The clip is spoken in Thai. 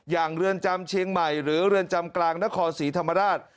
เรือนจำเชียงใหม่หรือเรือนจำกลางนครศรีธรรมราช